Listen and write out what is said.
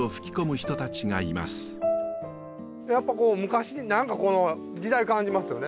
やっぱこう昔何かこの時代感じますよね。